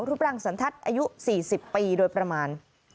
รูปร่างสันทัศน์อายุ๔๐ปีโดยประมาณ